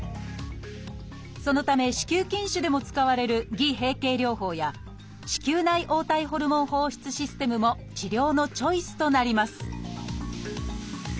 そのため子宮筋腫でも使われる偽閉経療法や子宮内黄体ホルモン放出システムも治療のチョイスとなります